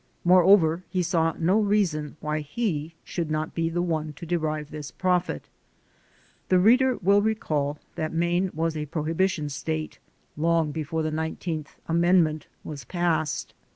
Moreover, he saw no reason why he should not be the one to derive this benefit. The reader will recall that Maine was a prohibi tion state long before the Nineteenth Amendment was passed.